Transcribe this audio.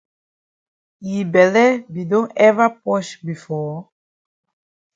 Yi bele be don ever posh before?